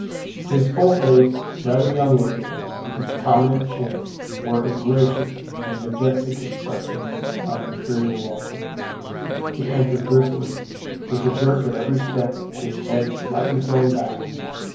His full face, rather young looking, with its prominent chin, wore a gracious and majestic expression of imperial welcome. He entered briskly, with a jerk at every step and his head slightly thrown back.